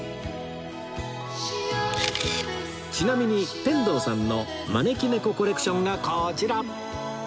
ちなみに天童さんの招き猫コレクションがこちら！